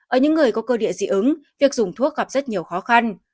ở những người có cơ địa dị ứng việc dùng thuốc gặp rất nhiều khó khăn